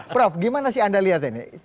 prof gimana sih anda lihat ini